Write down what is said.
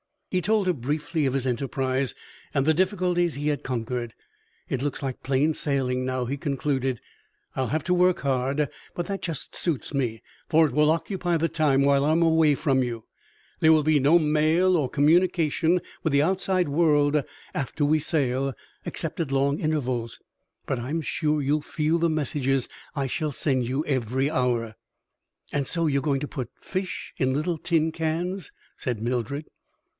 He told her briefly of his enterprise and the difficulties he had conquered. "It looks like plain sailing now," he concluded. "I will have to work hard, but that just suits me, for it will occupy the time while I am away from you. There will be no mail or communication with the outside world after we sail, except at long intervals. But I am sure you will feel the messages I shall send you every hour." "And so you are going to put fish into little tin cans?" said Mildred.